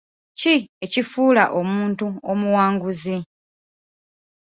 Ki ekifuula omuntu omuwanguzi?